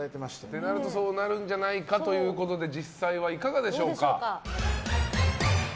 となるとそうなるんじゃないかということで実際はいかがでしょうか。